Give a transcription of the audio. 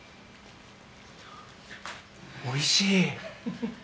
おいしい！